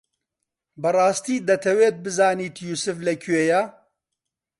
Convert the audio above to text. بەڕاستی دەتەوێت بزانیت یووسف لەکوێیە؟